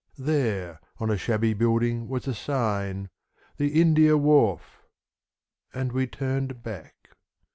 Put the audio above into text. There on a shabby building was a sign "The India Wharf "... and we turned back.